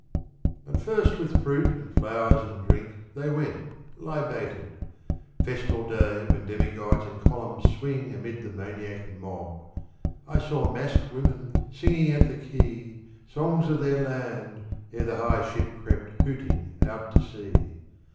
AT first with fruit and flowers and drink They went, libated ; festal day When demigods in columns swing Amid the maniac mob. I saw Massed women singing at the quay Songs of their land, ere the high ship Crept hooting out to sea.